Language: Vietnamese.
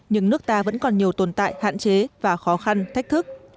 nhưng nước ta vẫn còn nhiều tồn tại hạn chế và khó khăn thách thức